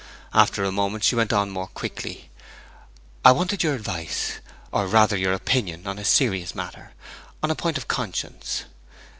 After a moment she went on more quickly: 'I wanted your advice, or rather your opinion, on a serious matter, on a point of conscience.'